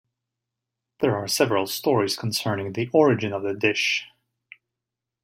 There are several stories concerning the origin of the dish.